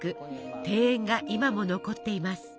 庭園が今も残っています。